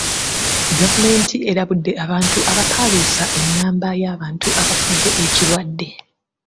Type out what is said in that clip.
Gavumenti erabudde abantu abapaaluusa ennamba y'abantu abafudde ekirwadde.